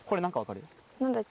何だっけ？